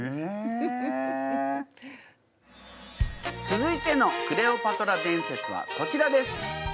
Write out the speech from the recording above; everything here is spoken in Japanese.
続いてのクレオパトラ伝説はこちらです。